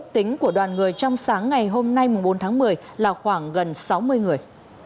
tính của đoàn người trong sáng ngày hôm nay bốn tháng một mươi là khoảng gần sáu mươi người